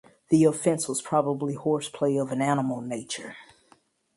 The offense was probably horseplay of an animal nature.